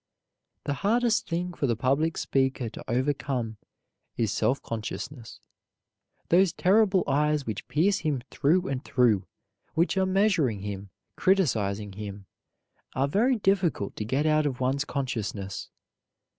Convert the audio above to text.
The hardest thing for the public speaker to overcome is self consciousness. Those terrible eyes which pierce him through and through, which are measuring him, criticizing him, are very difficult to get out of one's consciousness.